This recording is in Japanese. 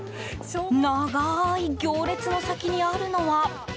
長い行列の先にあるのは？